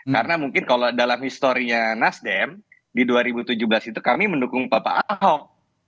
karena mungkin kalau dalam historinya nasdem di dua ribu tujuh belas itu kami mendukung bapak ahok